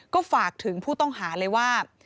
ก็ฝากถึงผู้ต้องหาเลยว่า